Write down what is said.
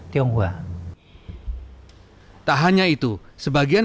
tapi kita sebenarnya nggak peduli itu